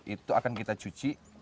itu akan kita cuci